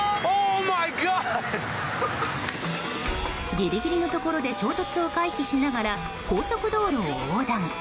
ギリギリのところで衝突を回避しながら高速道路を横断。